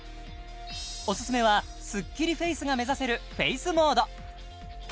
オススメはスッキリフェイスが目指せるフェイスモード